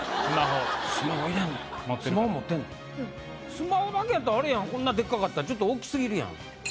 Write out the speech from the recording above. スマホだけやったらあれやんこんなデッカかったらちょっとおっき過ぎるやん。